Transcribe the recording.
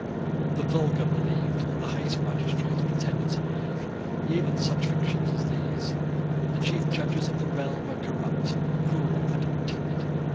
The vulgar believed, and the highest magistrates pretended to believe, even such fictions as these. The chief judges of the realm were corrupt, cruel, and timid.